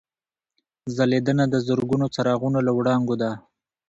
ځلېدنه د زرګونو څراغونو له وړانګو ده.